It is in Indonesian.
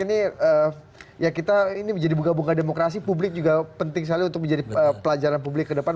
ini ya kita ini menjadi bunga bunga demokrasi publik juga penting sekali untuk menjadi pelajaran publik ke depan